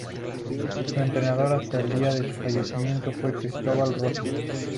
Su entrenador hasta el día de su fallecimiento fue Cristóbal Rosas.